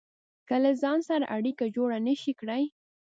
که له ځان سره اړيکه جوړه نشئ کړای.